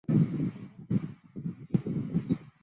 他曾经五度获得美国图画书最高荣誉凯迪克奖。